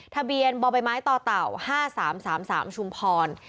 ทะเบียนบ่อใบไม้ต่อเต่า๕๓๓ชุมพร